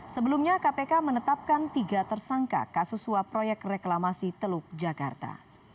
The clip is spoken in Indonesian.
sebelumnya kpk menetapkan tiga tersangka kasus suap proyek reklamasi teluk jakarta